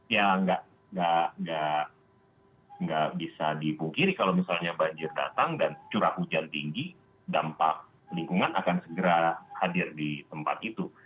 ya nggak bisa dipungkiri kalau misalnya banjir datang dan curah hujan tinggi dampak lingkungan akan segera hadir di tempat itu